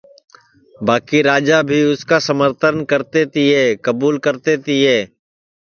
باکی راجا بھی اُس کا سمرتن کرتے تیے کبوُل کرتے تیے